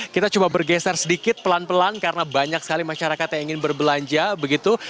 kita coba bergeser sedikit pelan pelan karena banyak sekali masyarakat yang ingin berbelanja begitu